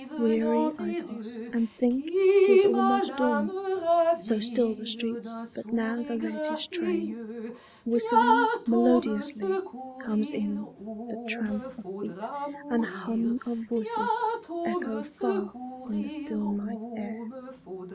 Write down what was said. Weary I toss, and think 't is almost dawn, So still the streets; but now the latest train, Whistling melodiously, comes in; the tramp Of feet, and hum of voices, echo far In the still night air.